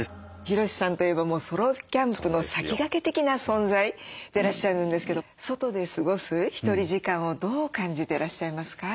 ヒロシさんといえばソロキャンプの先駆け的な存在でいらっしゃるんですけど外で過ごすひとり時間をどう感じてらっしゃいますか？